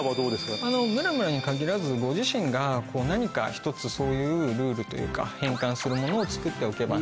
ムラムラに限らずご自身が何か１つそういうルールというか変換するものを作っておけば。